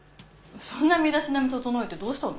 そんな身だしなみ整えてどうしたの？